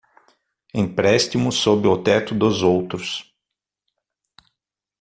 Empréstimo sob o teto dos outros